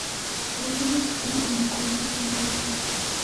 Realizó sus estudios en el Colegio Santa Úrsula.